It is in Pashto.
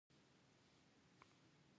چې يو څو ځله دا عمل تکرار شي